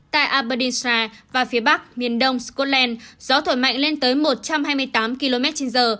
tại aberdisha và phía bắc miền đông scotland gió thổi mạnh lên tới một trăm hai mươi tám km trên giờ